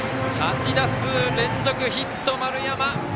８打数連続ヒット、丸山！